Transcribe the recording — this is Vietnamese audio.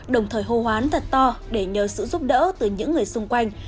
đồng thời hô hoán thật to để nhờ sự giúp đỡ từ những người xung quanh